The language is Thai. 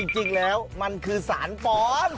จริงแล้วมันคือสารปลอม